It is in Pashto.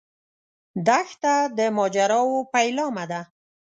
دښته د ماجراوو پیلامه ده.